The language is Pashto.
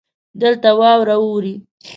دلته واوره اوري.